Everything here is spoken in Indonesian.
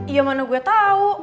ya mana gue tau